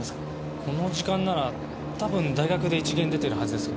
この時間なら多分大学で１限出てるはずです。